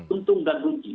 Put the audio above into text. untung dan rugi